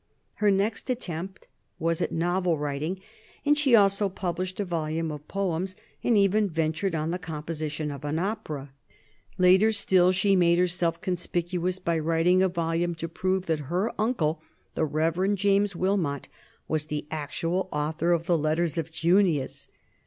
Her next attempt was at novel writing, and she also published a volume of poems and even ventured on the composition of an opera. Later still she made herself conspicuous by writing a volume to prove that her uncle, the Rev. James Wilmot, was the actual author of the letters of Junius.